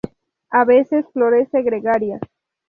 A veces florece gregaria.